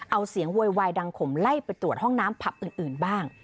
เอาเสียงโวยวายดังขมไล่ไปตรวจห้องน้ำผับอื่นบ้าง